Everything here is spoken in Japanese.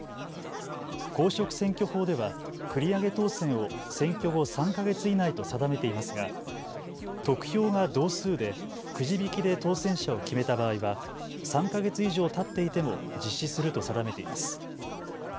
公職選挙法では繰り上げ当選を選挙後３か月以内と定めていますが得票が同数でくじ引きで当選者を決めた場合は３か月以上たっていても実施すると定めています。